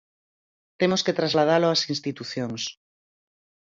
Temos que trasladalo ás institucións.